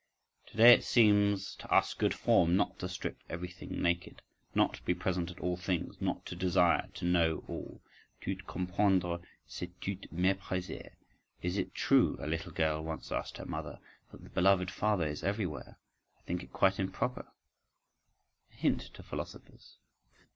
… To day it seems to us good form not to strip everything naked, not to be present at all things, not to desire to "know" all. "Tout comprendre c'est tout mépriser."… "Is it true," a little girl once asked her mother, "that the beloved Father is everywhere?—I think it quite improper,"—a hint to philosophers.